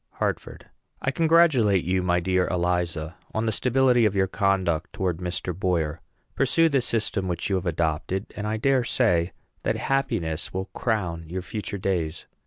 HARTFORD. I congratulate you, my dear Eliza, on the stability of your conduct towards Mr. Boyer. Pursue the system which you have adopted, and I dare say that happiness will crown your future days.